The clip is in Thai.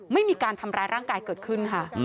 ไม่มีการทำร้ายร่างกายเกิดขึ้นค่ะ